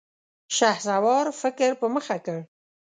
شهسوار فکر په مخه کړ.